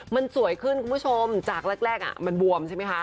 มันสวยขึ้นคุณผู้ชมจากแรกมันบวมใช่ไหมคะ